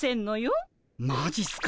マジっすか？